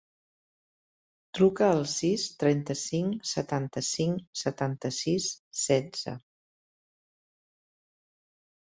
Truca al sis, trenta-cinc, setanta-cinc, setanta-sis, setze.